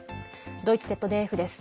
ドイツＺＤＦです。